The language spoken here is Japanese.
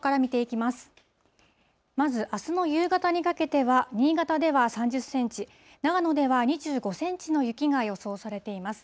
まずあすの夕方にかけては、新潟では３０センチ、長野では２５センチの雪が予想されています。